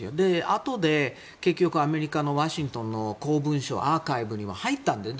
あとで結局アメリカのワシントンの公文書アーカイブには入ったんです